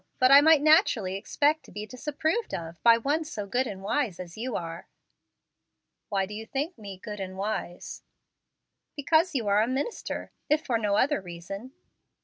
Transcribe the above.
But I might naturally expect to be disapproved of by one so good and wise as you are." "Why do you think me 'good and wise'?" "Because you are a minister, if for no other reason."